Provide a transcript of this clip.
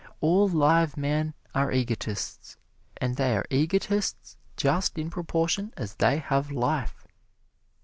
All live men are egotists, and they are egotists just in proportion as they have life.